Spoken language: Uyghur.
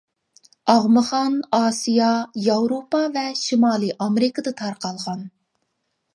ئاغمىخان ئاسىيا، ياۋروپا ۋە شىمالىي ئامېرىكىدا تارقالغان.